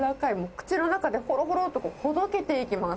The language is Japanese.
口の中でほろほろっとほどけていきます。